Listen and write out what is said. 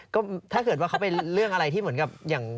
ก็ถ้าเกิดว่าเขาไปเรื่องอะไรที่เหมือนกับ